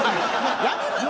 やめろよ！